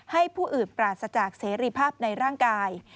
ผู้อื่นปราศจากเสรีภาพในร่างกาย